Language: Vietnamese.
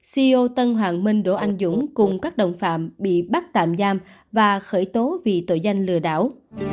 col tân hoàng minh đỗ anh dũng cùng các đồng phạm bị bắt tạm giam và khởi tố vì tội danh lừa đảo